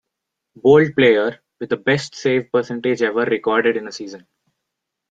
Bold Player with the best save percentage ever recorded in a season.